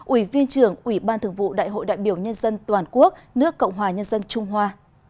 ủy viên trưởng ủy ban thường vụ đại hội đại biểu nhân dân toàn quốc nước cộng hòa nhân dân trung hoa